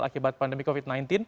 akibat pandemi covid sembilan belas